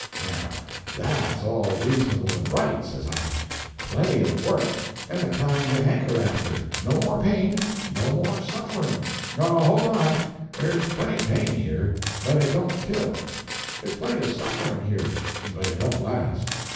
"Now that's all reasonable and right," says I. "Plenty of work, and the kind you hanker after; no more pain, no more suffering—" "Oh, hold on; there's plenty of pain here—but it don't kill. There's plenty of suffering here, but it don't last.